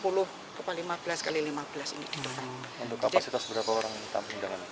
untuk kapasitas berapa orang yang ditampung dengan